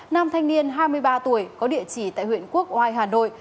nam thanh niên hai mươi ba tuổi có địa chỉ tại huyện quốc oai hà nội